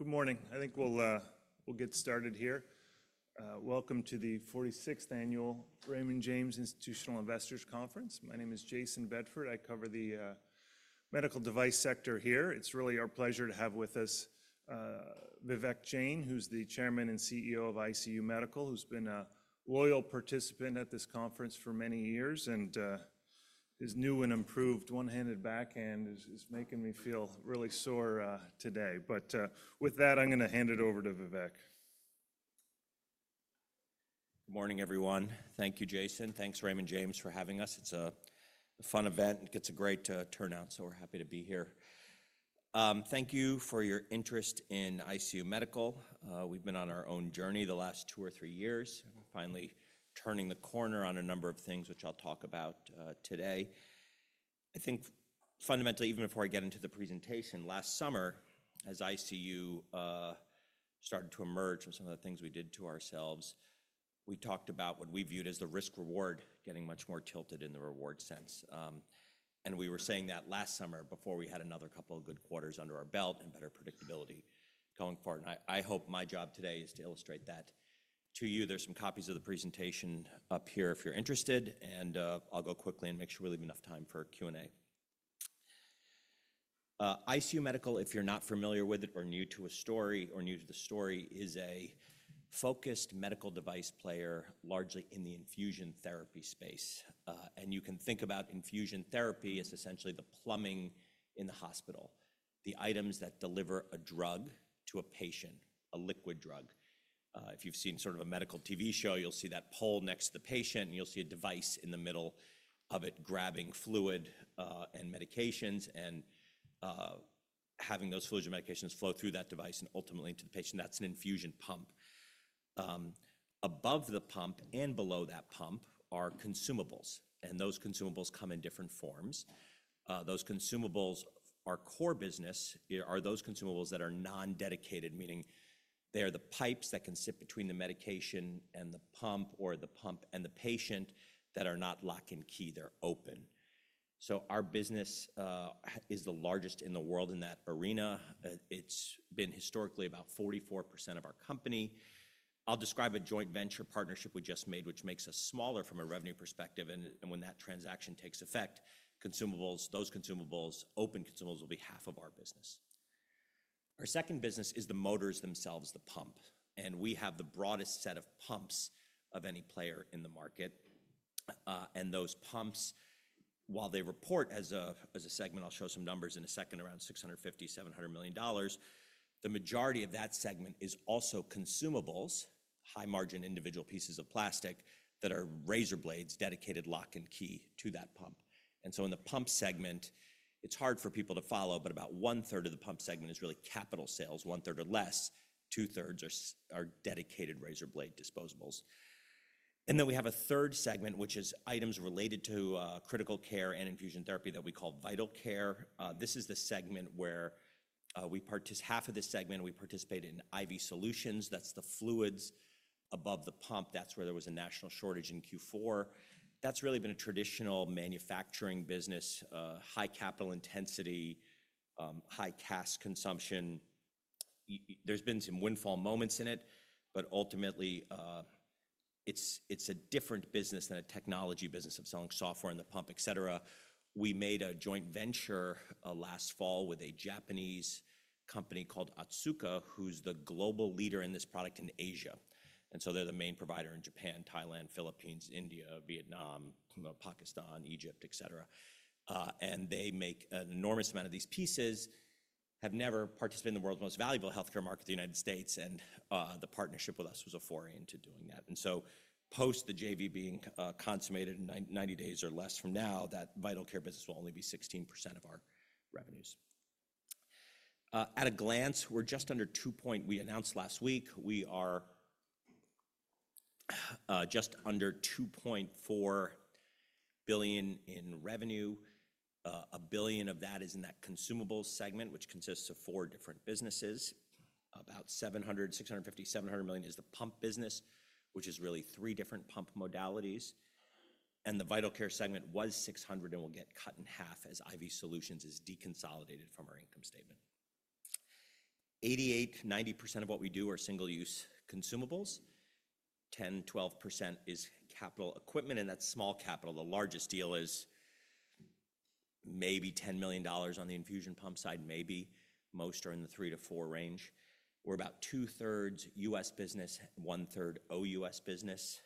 Good morning. I think we'll get started here. Welcome to the 46th Annual Raymond James Institutional Investors Conference. My name is Jayson Bedford. I cover the medical device sector here. It's really our pleasure to have with us Vivek Jain, who's the Chairman and CEO of ICU Medical, who's been a loyal participant at this conference for many years and is new and improved one-handed backhand is making me feel really sore today. But with that, I'm going to hand it over to Vivek. Good morning, everyone. Thank you, Jayson. Thanks, Raymond James, for having us. It's a fun event. It gets a great turnout, so we're happy to be here. Thank you for your interest in ICU Medical. We've been on our own journey the last two or three years, finally turning the corner on a number of things, which I'll talk about today. I think fundamentally, even before I get into the presentation, last summer, as ICU started to emerge from some of the things we did to ourselves, we talked about what we viewed as the risk-reward getting much more tilted in the reward sense. And we were saying that last summer before we had another couple of good quarters under our belt and better predictability going forward, and I hope my job today is to illustrate that to you. There's some copies of the presentation up here if you're interested, and I'll go quickly and make sure we leave enough time for Q&A. ICU Medical, if you're not familiar with it or new to a story or new to the story, is a focused medical device player largely in the infusion therapy space, and you can think about infusion therapy as essentially the plumbing in the hospital, the items that deliver a drug to a patient, a liquid drug. If you've seen sort of a medical TV show, you'll see that pole next to the patient, and you'll see a device in the middle of it grabbing fluid and medications and having those fluids and medications flow through that device and ultimately into the patient. That's an infusion pump. Above the pump and below that pump are consumables, and those consumables come in different forms. Those consumables are our core business. They are those consumables that are non-dedicated, meaning they are the pipes that can sit between the medication and the pump or the pump and the patient that are not lock and key. They're open, so our business is the largest in the world in that arena. It's been historically about 44% of our company. I'll describe a joint venture partnership we just made, which makes us smaller from a revenue perspective, and when that transaction takes effect, consumables, those consumables, open consumables will be half of our business. Our second business is the motors themselves, the pump, and we have the broadest set of pumps of any player in the market, and those pumps, while they report as a segment, I'll show some numbers in a second, around $650-$700 million. The majority of that segment is also consumables, high-margin individual pieces of plastic that are razor blades, dedicated lock and key to that pump. And so in the pump segment, it's hard for people to follow, but about 1/3 of the pump segment is really capital sales, 1/3 or less. 2/3 are dedicated razor blade disposables. And then we have a third segment, which is items related to critical care and infusion therapy that we call Vital Care. This is the segment where we participate half of this segment, we participate in IV solutions. That's the fluids above the pump. That's where there was a national shortage in Q4. That's really been a traditional manufacturing business, high capital intensity, high cash consumption. There's been some windfall moments in it, but ultimately it's a different business than a technology business of selling software in the pump, et cetera. We made a joint venture last fall with a Japanese company called Otsuka, who's the global leader in this product in Asia, and so they're the main provider in Japan, Thailand, Philippines, India, Vietnam, Pakistan, Egypt, et cetera. And they make an enormous amount of these pieces, have never participated in the world's most valuable healthcare market, the United States, and the partnership with us was a foray into doing that, and so post the JV being consummated, 90 days or less from now, that Vital Care business will only be 16% of our revenues. At a glance, we're just under two point. We announced last week we are just under $2.4 billion in revenue. $1 billion of that is in that consumables segment, which consists of four different businesses. About $650-$700 million is the pump business, which is really three different pump modalities. The Vital Care segment was $600 million and will get cut in half as IV solutions is deconsolidated from our income statement. 88%-90% of what we do are single-use consumables. 10%-12% is capital equipment, and that's small capital. The largest deal is maybe $10 million on the infusion pump side, maybe. Most are in the three to four range. We're about 2/3 U.S. business, 1/3 OUS business.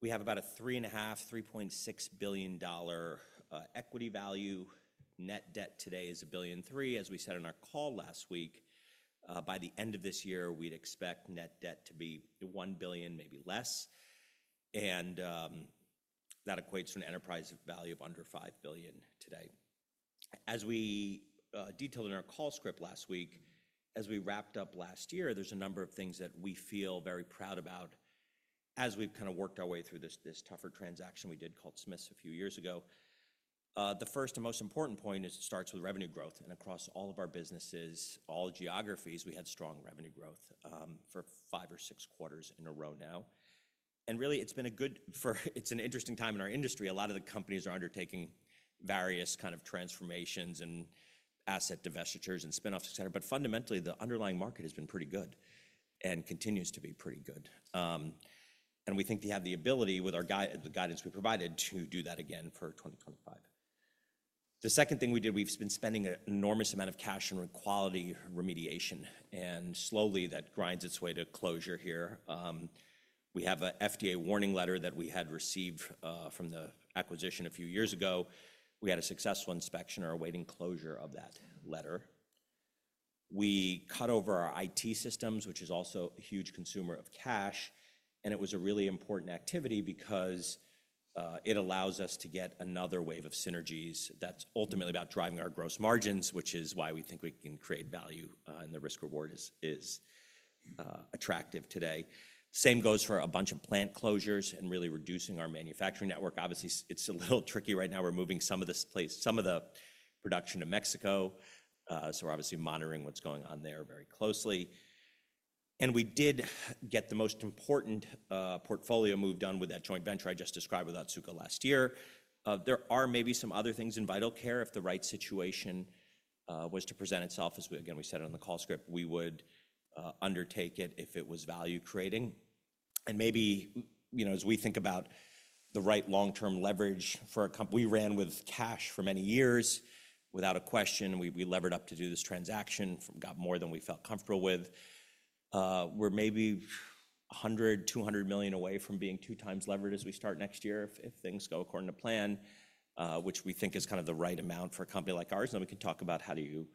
We have about a three and a half, $3.6 billion equity value. Net debt today is $1.3 billion. As we said in our call last week, by the end of this year, we'd expect net debt to be $1 billion, maybe less. That equates to an enterprise value of under $5 billion today. As we detailed in our call script last week, as we wrapped up last year, there's a number of things that we feel very proud about as we've kind of worked our way through this tougher transaction we did called Smiths a few years ago. The first and most important point is it starts with revenue growth. Across all of our businesses, all geographies, we had strong revenue growth for five or six quarters in a row now. Really, it's been a good, it's an interesting time in our industry. A lot of the companies are undertaking various kinds of transformations and asset divestitures and spinoffs, et cetera. But fundamentally, the underlying market has been pretty good and continues to be pretty good. We think we have the ability with the guidance we provided to do that again for 2025. The second thing we did, we've been spending an enormous amount of cash on quality remediation, and slowly that grinds its way to closure here. We have an FDA warning letter that we had received from the acquisition a few years ago. We had a successful inspection or awaiting closure of that letter. We cut over our IT systems, which is also a huge consumer of cash. And it was a really important activity because it allows us to get another wave of synergies that's ultimately about driving our gross margins, which is why we think we can create value and the risk-reward is attractive today. Same goes for a bunch of plant closures and really reducing our manufacturing network. Obviously, it's a little tricky right now. We're moving some of the production to Mexico. So we're obviously monitoring what's going on there very closely. We did get the most important portfolio move done with that joint venture I just described with Otsuka last year. There are maybe some other things in Vital Care. If the right situation was to present itself, as again, we said it on the call script, we would undertake it if it was value-creating. And maybe, you know, as we think about the right long-term leverage for a company, we ran with cash for many years without a question. We levered up to do this transaction, got more than we felt comfortable with. We're maybe $100-$200 million away from being two times levered as we start next year if things go according to plan, which we think is kind of the right amount for a company like ours. And then we can talk about how do you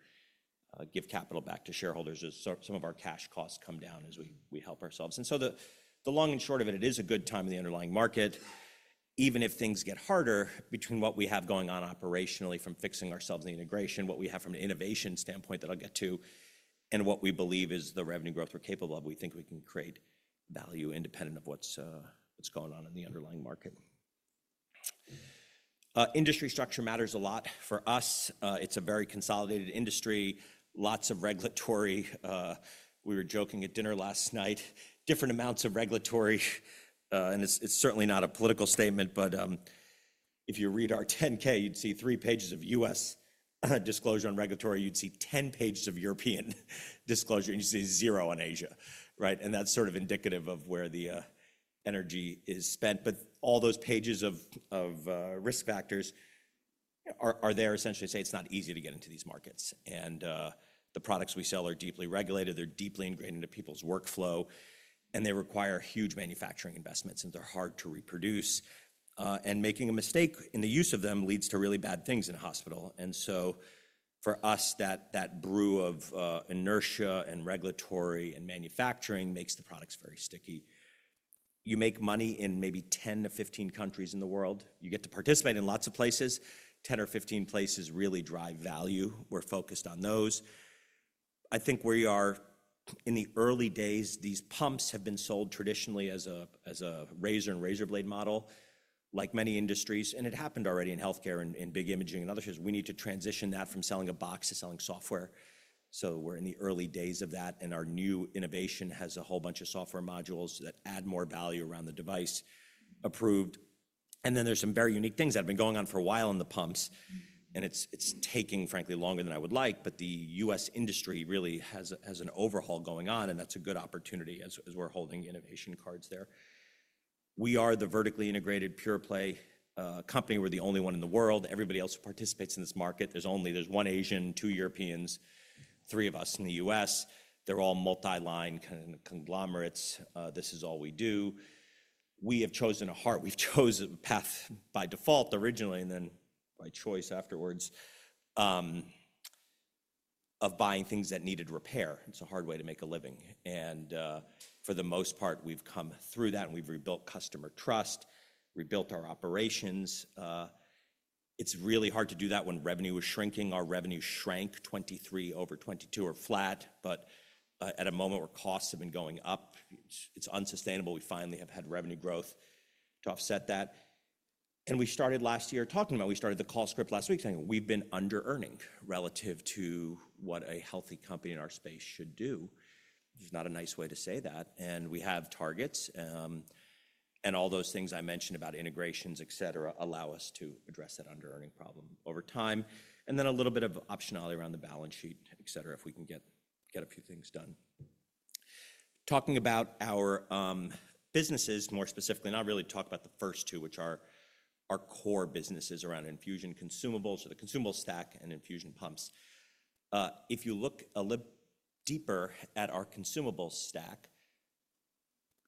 give capital back to shareholders as some of our cash costs come down as we help ourselves. And so the long and short of it, it is a good time in the underlying market. Even if things get harder between what we have going on operationally from fixing ourselves in the integration, what we have from an innovation standpoint that I'll get to, and what we believe is the revenue growth we're capable of, we think we can create value independent of what's going on in the underlying market. Industry structure matters a lot for us. It's a very consolidated industry. Lots of regulatory. We were joking at dinner last night, different amounts of regulatory. And it's certainly not a political statement, but if you read our 10-K, you'd see three pages of U.S. disclosure on regulatory. You'd see 10 pages of European disclosure, and you'd see zero on Asia, right? And that's sort of indicative of where the energy is spent. But all those pages of risk factors are there essentially to say it's not easy to get into these markets. And the products we sell are deeply regulated. They're deeply ingrained into people's workflow, and they require huge manufacturing investments, and they're hard to reproduce. And making a mistake in the use of them leads to really bad things in a hospital. And so for us, that brew of inertia and regulatory and manufacturing makes the products very sticky. You make money in maybe 10-15 countries in the world. You get to participate in lots of places. 10 or 15 places really drive value. We're focused on those. I think we are in the early days. These pumps have been sold traditionally as a razor and razor blade model, like many industries, and it happened already in healthcare and in big imaging and other areas. We need to transition that from selling a box to selling software, so we're in the early days of that, and our new innovation has a whole bunch of software modules that add more value around the device approved, and then there's some very unique things that have been going on for a while in the pumps, and it's taking, frankly, longer than I would like, but the U.S. industry really has an overhaul going on, and that's a good opportunity as we're holding innovation cards there. We are the vertically integrated pure play company. We're the only one in the world. Everybody else participates in this market. There's only one Asian, two Europeans, three of us in the U.S. They're all multi-line kind of conglomerates. This is all we do. We have chosen a heart. We've chosen a path by default originally, and then by choice afterwards, of buying things that needed repair. It's a hard way to make a living, and for the most part, we've come through that, and we've rebuilt customer trust, rebuilt our operations. It's really hard to do that when revenue was shrinking. Our revenue shrank 2023 over 2022 or flat, but at a moment where costs have been going up, it's unsustainable. We finally have had revenue growth to offset that, and we started last year talking about, we started the call script last week saying we've been under-earning relative to what a healthy company in our space should do. There's not a nice way to say that, and we have targets. And all those things I mentioned about integrations, et cetera, allow us to address that under-earning problem over time. And then a little bit of optionality around the balance sheet, et cetera, if we can get a few things done. Talking about our businesses more specifically, not really talk about the first two, which are our core businesses around infusion consumables. So the consumable stack and infusion pumps. If you look a little deeper at our consumable stack,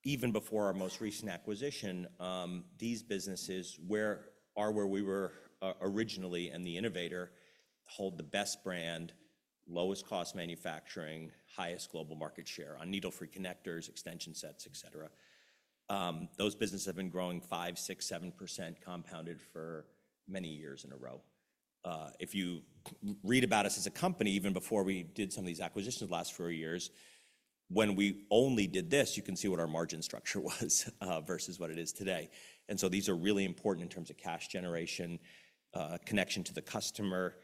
even before our most recent acquisition, these businesses are where we were originally and the innovator hold the best brand, lowest cost manufacturing, highest global market share on needle-free connectors, extension sets, et cetera. Those businesses have been growing five, six, seven% compounded for many years in a row. If you read about us as a company, even before we did some of these acquisitions the last four years, when we only did this, you can see what our margin structure was versus what it is today, and so these are really important in terms of cash generation, connection to the customer,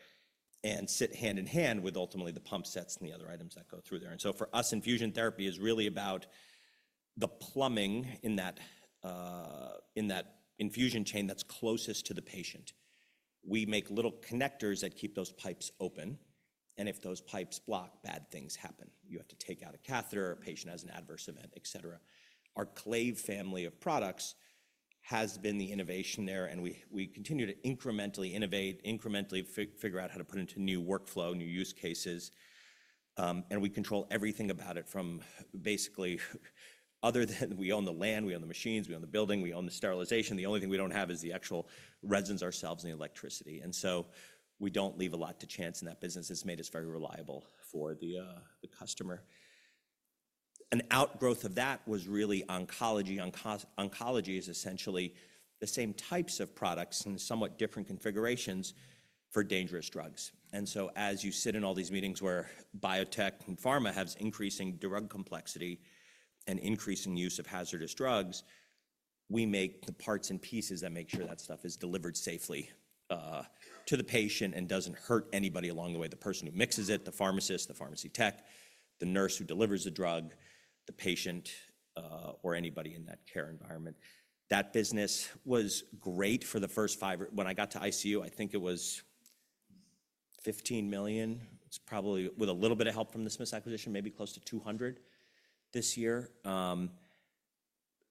and sit hand in hand with ultimately the pump sets and the other items that go through there, and so for us, infusion therapy is really about the plumbing in that infusion chain that's closest to the patient. We make little connectors that keep those pipes open, and if those pipes block, bad things happen. You have to take out a catheter, a patient has an adverse event, et cetera. Our Clave family of products has been the innovation there, and we continue to incrementally innovate, incrementally figure out how to put into new workflow, new use cases. And we control everything about it from basically other than we own the land, we own the machines, we own the building, we own the sterilization. The only thing we don't have is the actual resins ourselves and the electricity. And so we don't leave a lot to chance in that business. It's made us very reliable for the customer. An outgrowth of that was really oncology. Oncology is essentially the same types of products in somewhat different configurations for dangerous drugs. And so as you sit in all these meetings where biotech and pharma have increasing drug complexity and increasing use of hazardous drugs, we make the parts and pieces that make sure that stuff is delivered safely to the patient and doesn't hurt anybody along the way. The person who mixes it, the pharmacist, the pharmacy tech, the nurse who delivers the drug, the patient, or anybody in that care environment. That business was great for the first five. When I got to ICU, I think it was $15 million. It's probably with a little bit of help from the Smiths acquisition, maybe close to $200 million this year.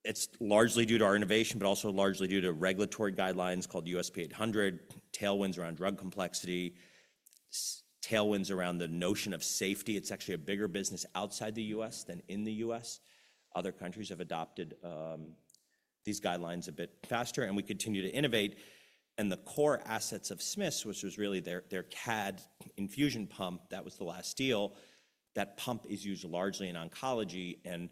It's largely due to our innovation, but also largely due to regulatory guidelines called USP <800>, tailwinds around drug complexity, tailwinds around the notion of safety. It's actually a bigger business outside the U.S. than in the U.S. Other countries have adopted these guidelines a bit faster, and we continue to innovate, and the core assets of Smiths, which was really their CADD infusion pump, that was the last deal. That pump is used largely in oncology, and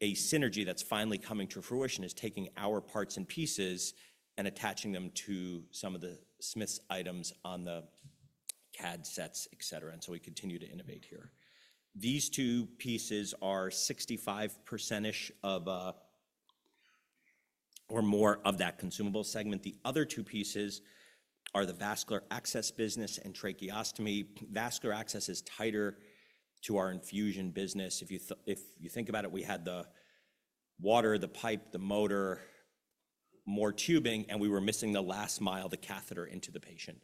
a synergy that's finally coming to fruition is taking our parts and pieces and attaching them to some of the Smiths items on the CADD sets, et cetera, and so we continue to innovate here. These two pieces are 65%-ish or more of that consumable segment. The other two pieces are the vascular access business and tracheostomy. Vascular access is tighter to our infusion business. If you think about it, we had the water, the pipe, the motor, more tubing, and we were missing the last mile, the catheter into the patient,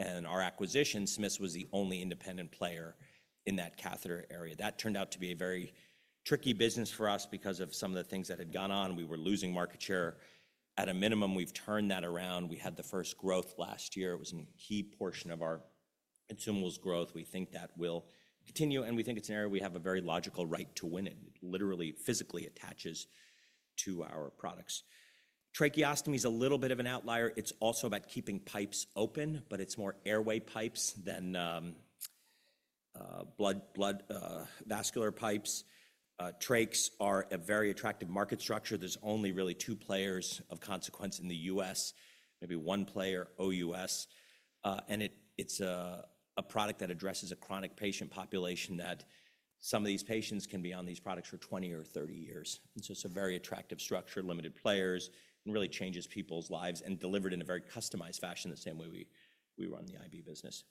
and our acquisition, Smiths was the only independent player in that catheter area. That turned out to be a very tricky business for us because of some of the things that had gone on. We were losing market share. At a minimum, we've turned that around. We had the first growth last year. It was a key portion of our consumables growth. We think that will continue, and we think it's an area we have a very logical right to win in. It literally, physically attaches to our products. Tracheostomy is a little bit of an outlier. It's also about keeping pipes open, but it's more airway pipes than vascular pipes. Trachs are a very attractive market structure. There's only really two players of consequence in the U.S., maybe one player, OUS, and it's a product that addresses a chronic patient population that some of these patients can be on these products for 20 or 30 years. It's a very attractive structure, limited players, and really changes people's lives and delivered in a very customized fashion, the same way we run the IV business.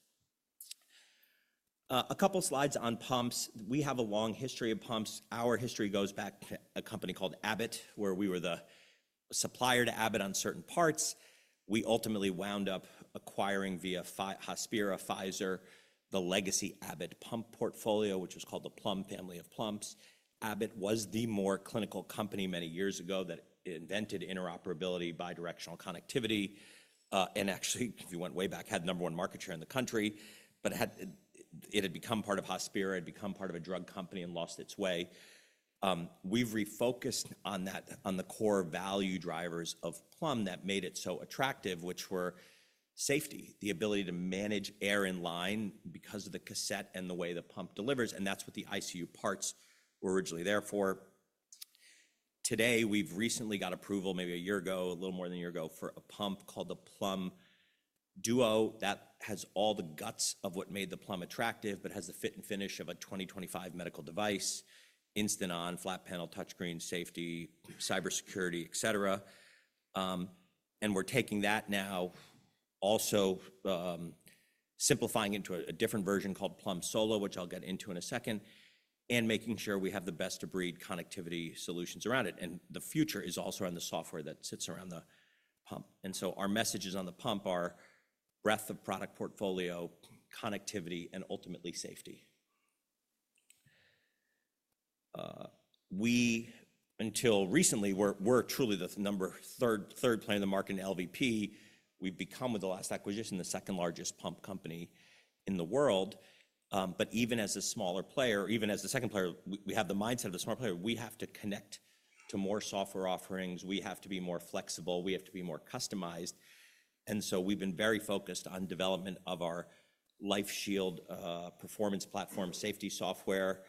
A couple of slides on pumps. We have a long history of pumps. Our history goes back to a company called Abbott, where we were the supplier to Abbott on certain parts. We ultimately wound up acquiring via Hospira, Pfizer, the legacy Abbott pump portfolio, which was called the Plum family of pumps. Abbott was the more clinical company many years ago that invented interoperability, bidirectional connectivity, and actually, if you went way back, had number one market share in the country, but it had become part of Hospira, had become part of a drug company and lost its way. We've refocused on that, on the core value drivers of Plum that made it so attractive, which were safety, the ability to manage air in line because of the cassette and the way the pump delivers, and that's what the ICU parts were originally there for. Today, we've recently got approval, maybe a year ago, a little more than a year ago for a pump called the Plum Duo that has all the guts of what made the Plum attractive, but has the fit and finish of a 2025 medical device, instant on, flat panel, touchscreen, safety, cybersecurity, et cetera, and we're taking that now, also simplifying into a different version called Plum Solo, which I'll get into in a second, and making sure we have the best of breed connectivity solutions around it, and the future is also around the software that sits around the pump. Our messages on the pump are breadth of product portfolio, connectivity, and ultimately safety. Until recently, we're truly the number three player in the market in LVP. We've become, with the last acquisition, the second largest pump company in the world. But even as a smaller player, even as the second player, we have the mindset of a smart player. We have to connect to more software offerings. We have to be more flexible. We have to be more customized. We've been very focused on development of our LifeShield performance platform safety software.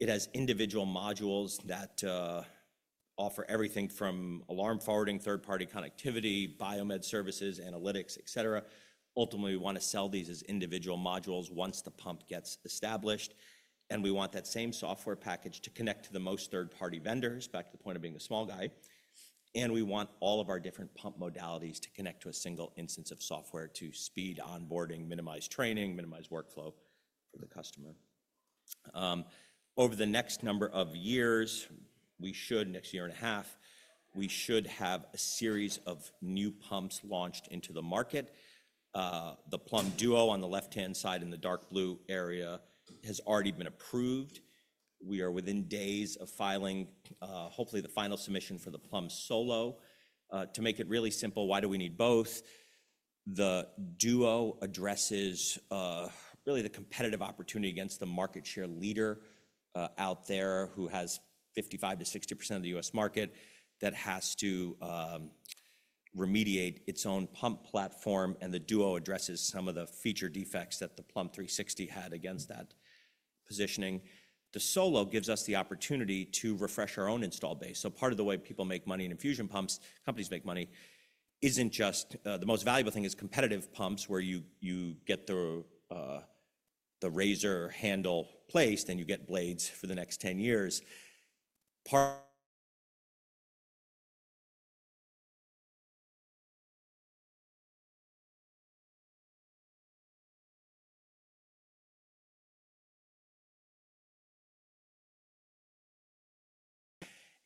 It has individual modules that offer everything from alarm forwarding, third-party connectivity, biomed services, analytics, et cetera. Ultimately, we want to sell these as individual modules once the pump gets established. And we want that same software package to connect to the most third-party vendors, back to the point of being a small guy. And we want all of our different pump modalities to connect to a single instance of software to speed onboarding, minimize training, minimize workflow for the customer. Over the next number of years, we should, next year and a half, we should have a series of new pumps launched into the market. The Plum Duo on the left-hand side in the dark blue area has already been approved. We are within days of filing, hopefully the final submission for the Plum Solo. To make it really simple, why do we need both? The Duo addresses really the competitive opportunity against the market share leader out there who has 55%-60% of the U.S. market that has to remediate its own pump platform. The Duo addresses some of the feature defects that the Plum 360 had against that positioning. The Solo gives us the opportunity to refresh our own install base. So part of the way people make money in infusion pumps, companies make money, isn't just the most valuable thing is competitive pumps where you get the razor handle placed and you get blades for the next 10 years.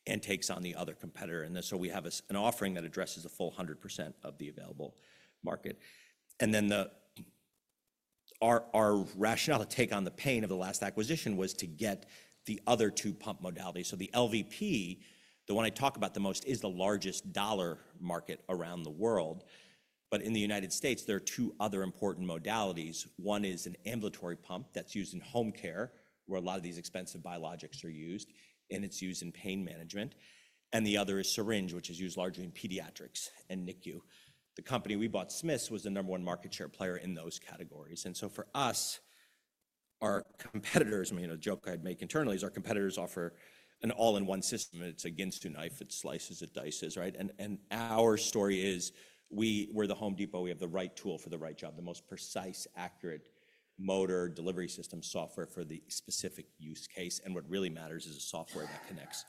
And takes on the other competitor. And so we have an offering that addresses a full 100% of the available market. And then our rationale to take on the pain of the last acquisition was to get the other two pump modalities. So the LVP, the one I talk about the most, is the largest dollar market around the world. But in the United States, there are two other important modalities. One is an ambulatory pump that's used in home care, where a lot of these expensive biologics are used, and it's used in pain management, and the other is syringe, which is used largely in pediatrics and NICU. The company we bought, Smiths, was the number one market share player in those categories, and so for us, our competitors, the joke I'd make internally is our competitors offer an all-in-one system. It's a Ginsu knife. It slices, it dices, right? And our story is we're the Home Depot. We have the right tool for the right job, the most precise, accurate motor delivery system software for the specific use case, and what really matters is a software that connects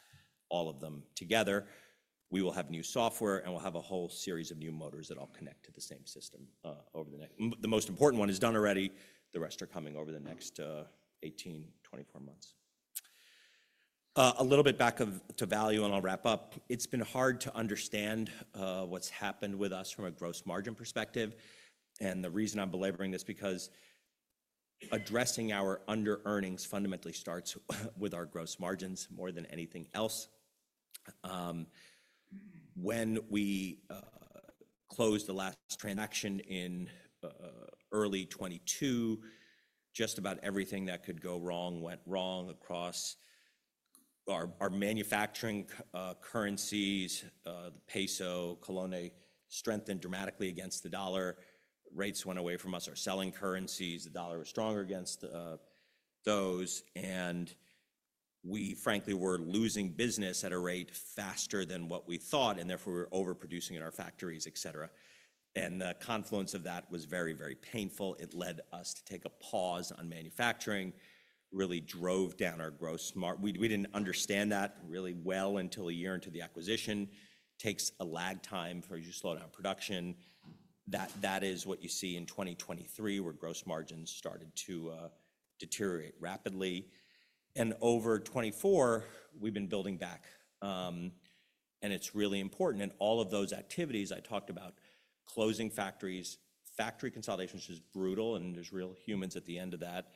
all of them together. We will have new software, and we'll have a whole series of new motors that all connect to the same system over the next. The most important one is done already. The rest are coming over the next 18-24 months. A little bit back to value, and I'll wrap up. It's been hard to understand what's happened with us from a gross margin perspective, and the reason I'm belaboring this is because addressing our under-earnings fundamentally starts with our gross margins more than anything else. When we closed the last transaction in early 2022, just about everything that could go wrong went wrong across our manufacturing currencies. The peso, colón strengthened dramatically against the dollar. Rates went away from us, our selling currencies. The dollar was stronger against those, and we, frankly, were losing business at a rate faster than what we thought, and therefore we were overproducing in our factories, et cetera, and the confluence of that was very, very painful. It led us to take a pause on manufacturing, really drove down our gross margin. We didn't understand that really well until a year into the acquisition. It takes a lag time for you to slow down production. That is what you see in 2023, where gross margins started to deteriorate rapidly, and over 2024, we've been building back, and it's really important, and all of those activities I talked about, closing factories, factory consolidation, which is brutal, and there's real humans at the end of that.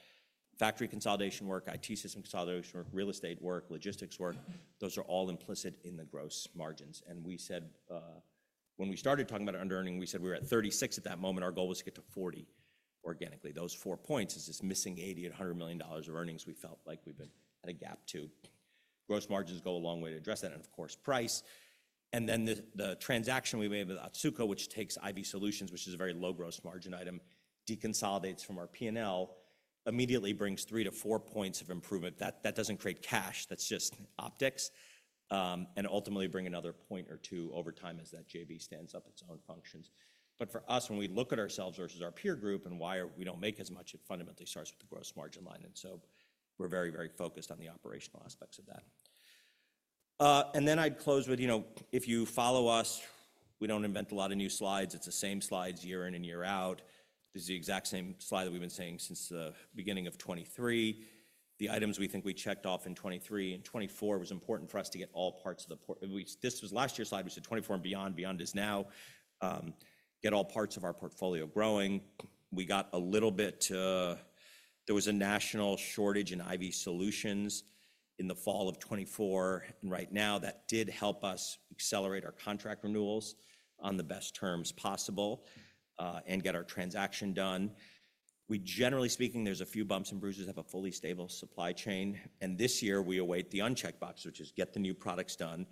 Factory consolidation work, IT system consolidation work, real estate work, logistics work, those are all implicit in the gross margins, and we said when we started talking about under-earning, we said we were at 36 at that moment. Our goal was to get to 40 organically. Those four points is this missing $80-$100 million of earnings we felt like we've been at a gap to. Gross margins go a long way to address that, and of course, price. And then the transaction we made with Otsuka, which takes IV solutions, which is a very low gross margin item, de-consolidates from our P&L, immediately brings 3-4 points of improvement. That doesn't create cash. That's just optics. And ultimately bring another point or two over time as that JV stands up its own functions. But for us, when we look at ourselves versus our peer group and why we don't make as much, it fundamentally starts with the gross margin line. And so we're very, very focused on the operational aspects of that. And then I'd close with, you know, if you follow us, we don't invent a lot of new slides. It's the same slides year in and year out. This is the exact same slide that we've been saying since the beginning of 2023. The items we think we checked off in 2023 and 2024 was important for us to get all parts of the portfolio. This was last year's slide. We said 2024 and beyond, beyond is now, get all parts of our portfolio growing. We got a little bit to. There was a national shortage in IV solutions in the fall of 2024. Right now, that did help us accelerate our contract renewals on the best terms possible and get our transaction done. We, generally speaking, with a few bumps and bruises, have a fully stable supply chain. This year, we await the unchecked box, which is get the new products done,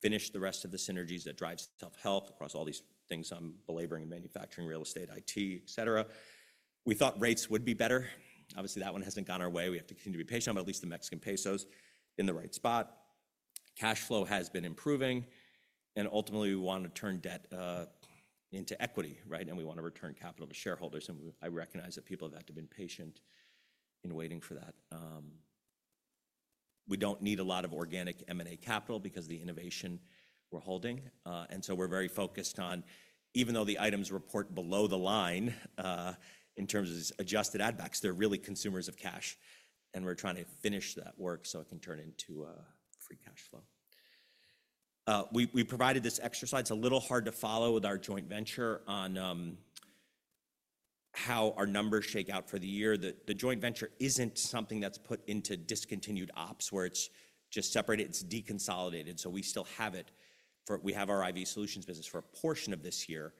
finish the rest of the synergies that drive self-help across all these things I'm belaboring in manufacturing, real estate, IT, et cetera. We thought rates would be better. Obviously, that one hasn't gone our way. We have to continue to be patient, but at least the Mexican peso's in the right spot. Cash flow has been improving. Ultimately, we want to turn debt into equity, right? I recognize that people have had to have been patient in waiting for that. We don't need a lot of organic M&A capital because of the innovation we're holding. We're very focused on, even though the items report below the line in terms of adjusted add-backs, they're really consumers of cash. We're trying to finish that work so it can turn into free cash flow. We provided this exercise. It's a little hard to follow with our joint venture on how our numbers shake out for the year. The joint venture isn't something that's put into discontinued ops where it's just separated. It's de-consolidated. So we still have it. We have our IV solutions business for a portion of this year.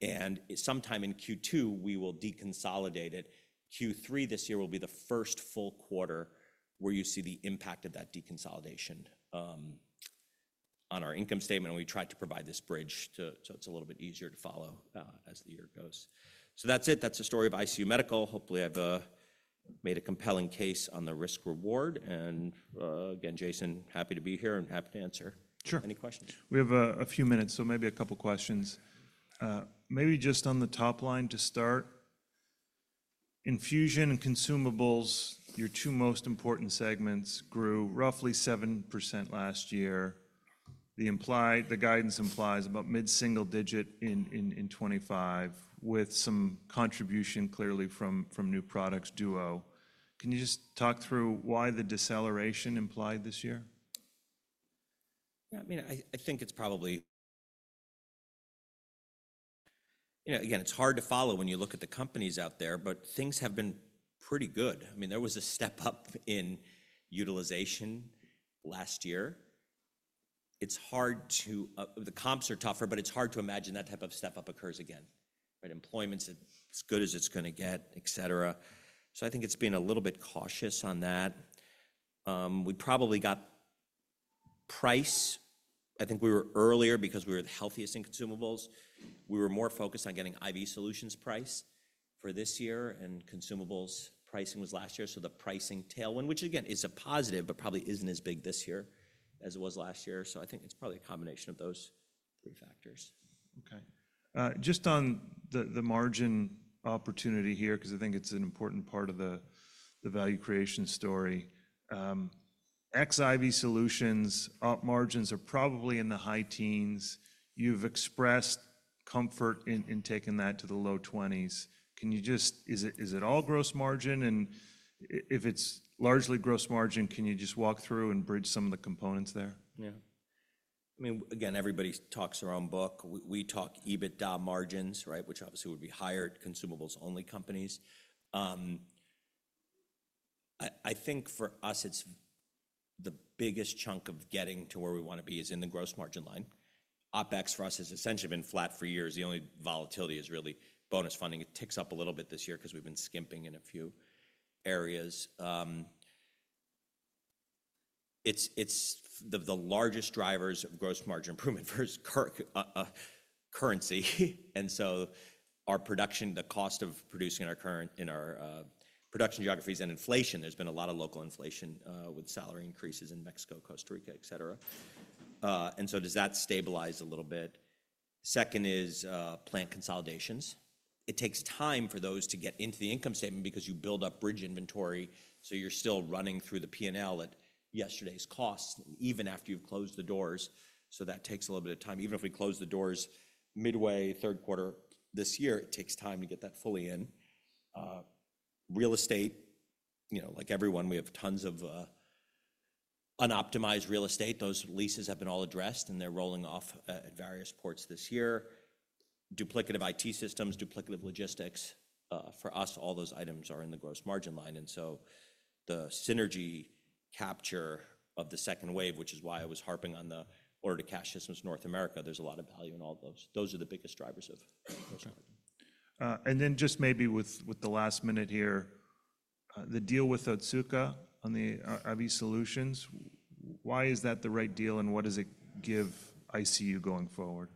And sometime in Q2, we will de-consolidate it. Q3 this year will be the first full quarter where you see the impact of that de-consolidation on our income statement. And we tried to provide this bridge so it's a little bit easier to follow as the year goes. So that's it. That's the story of ICU Medical. Hopefully, I've made a compelling case on the risk-reward. And again, Jayson, happy to be here and happy to answer any questions. Sure. We have a few minutes, so maybe a couple of questions. Maybe just on the top line to start. Infusion and consumables, your two most important segments grew roughly 7% last year. The guidance implies about mid-single digit in 2025 with some contribution clearly from new products, Duo. Can you just talk through why the deceleration implied this year? Yeah, I mean, I think it's probably, you know, again, it's hard to follow when you look at the companies out there, but things have been pretty good. I mean, there was a step up in utilization last year. It's hard to, the comps are tougher, but it's hard to imagine that type of step up occurs again, right? Employment's as good as it's going to get, et cetera. So I think it's been a little bit cautious on that. We probably got price. I think we were earlier because we were the healthiest in consumables. We were more focused on getting IV solutions price for this year. And consumables pricing was last year. So the pricing tailwind, which again is a positive, but probably isn't as big this year as it was last year. So I think it's probably a combination of those three factors. Okay. Just on the margin opportunity here, because I think it's an important part of the value creation story. IV Solutions' op margins are probably in the high teens. You've expressed comfort in taking that to the low 20s. Can you just, is it all gross margin? And if it's largely gross margin, can you just walk through and bridge some of the components there? Yeah. I mean, again, everybody talks their own book. We talk EBITDA margins, right, which obviously would be higher at consumables-only companies. I think for us, it's the biggest chunk of getting to where we want to be is in the gross margin line. OpEx for us has essentially been flat for years. The only volatility is really bonus funding. It ticks up a little bit this year because we've been skimping in a few areas. It's the largest drivers of gross margin improvement for currency. And so our production, the cost of producing in our production geographies and inflation, there's been a lot of local inflation with salary increases in Mexico, Costa Rica, et cetera. And so does that stabilize a little bit? Second is plant consolidations. It takes time for those to get into the income statement because you build up bridge inventory. So you're still running through the P&L at yesterday's cost, even after you've closed the doors. So that takes a little bit of time. Even if we close the doors midway, third quarter this year, it takes time to get that fully in. Real estate, you know, like everyone, we have tons of unoptimized real estate. Those leases have been all addressed, and they're rolling off at various points this year. Duplicative IT systems, duplicative logistics. For us, all those items are in the gross margin line. And so the synergy capture of the second wave, which is why I was harping on the order to cash systems in North America, there's a lot of value in all of those. Those are the biggest drivers of gross margin. And then just maybe with the last minute here, the deal with Otsuka on the IV solutions, why is that the right deal and what does it give ICU going forward?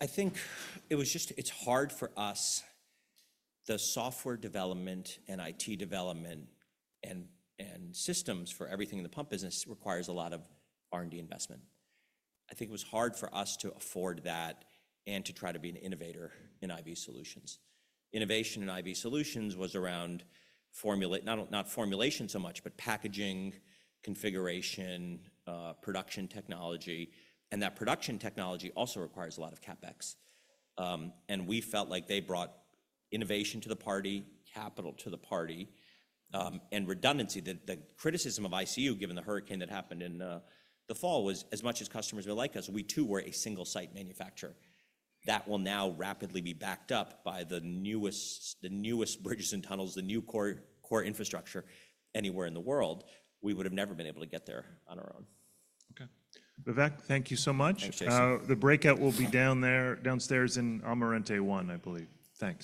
I think it was just. It's hard for us. The software development and IT development and systems for everything in the pump business requires a lot of R&D investment. I think it was hard for us to afford that and to try to be an innovator in IV solutions. Innovation in IV solutions was around formulation, not formulation so much, but packaging, configuration, production technology. And that production technology also requires a lot of CapEx. And we felt like they brought innovation to the party, capital to the party, and redundancy. The criticism of ICU, given the hurricane that happened in the fall, was as much as customers are like us. We too were a single-site manufacturer. That will now rapidly be backed up by the newest bridges and tunnels, the new core infrastructure anywhere in the world. We would have never been able to get there on our own. Okay. Vivek, thank you so much. My pleasure. The breakout will be downstairs in Amarante 1, I believe. Thanks.